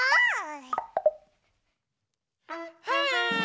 はい！